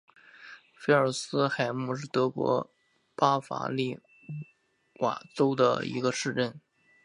菲尔斯海姆是德国巴伐利亚州的一个市镇。